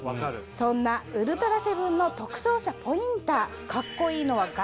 そんな『ウルトラセブン』の特捜車ポインター。